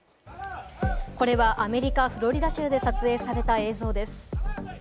これはアメリカ・フロリダ州で撮影された映像です。